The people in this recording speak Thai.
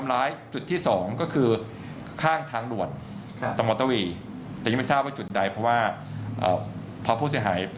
เรื่องต้นที่ทำให้การ